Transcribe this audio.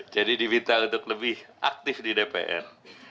jadi dibinta untuk lebih aktif di dpr